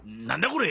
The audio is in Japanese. これ。